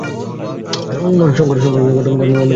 Shankar cotton বিশ্বের অন্যতম বৃহত্তম উৎপাদক।